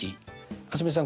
蒼澄さん